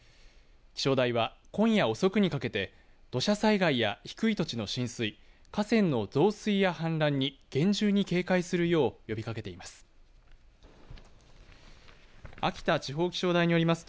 気象台は今夜遅くにかけて土砂災害や低い土地の浸水河川の増水や氾濫に厳重に警戒するよう呼びかけています。